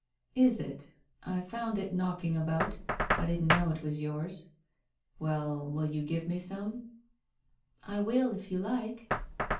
"Is it? I found it knocking about : I didn't know it was yours. Well, will you give me some ?" "I will, if you like."